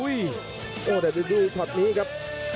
โอ้โหแต่ดูชอตนี้ครับ